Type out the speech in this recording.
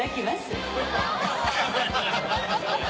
アハハハ。